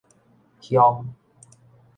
兇